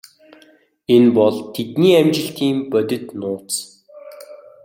Энэ бол тэдний амжилтын бодит нууц.